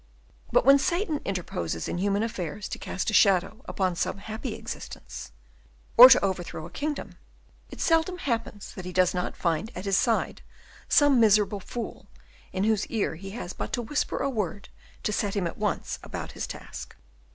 But when Satan interposes in human affairs to cast a shadow upon some happy existence, or to overthrow a kingdom, it seldom happens that he does not find at his side some miserable tool, in whose ear he has but to whisper a word to set him at once about his task.